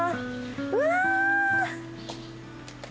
うわ！